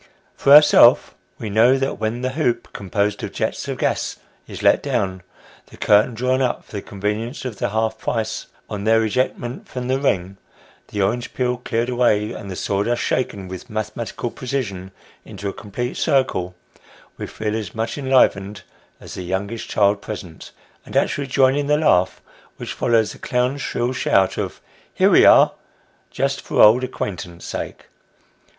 For ourself, we know that when the hoop, composed of jets of gas, is let down, the curtain drawn up for the convenience of the half price on their ejectment from the The Ring. 79 ring, the orange peel cleared away, and the sawdust shaken, with mathematical precision, into a complete circle, we feel as much en livened as the youngest child present ; aud actually join in the laugh which follows the clown's shrill shout of " Here we are !" just for old acquaintance' sake.